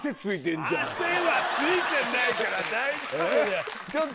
汗はついてないから大丈夫だよ。